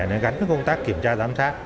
nó gắn với công tác kiểm tra giám sát